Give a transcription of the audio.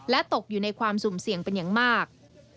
ตกอยู่ในความสุ่มเสี่ยงเป็นอย่างมาก